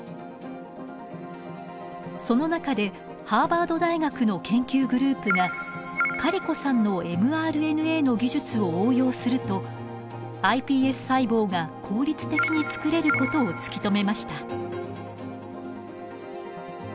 その中でハーバード大学の研究グループがカリコさんのｍＲＮＡの技術を応用するとｉＰＳ細胞が効率的に作れることを突き止めました。